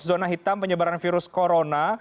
zona hitam penyebaran virus corona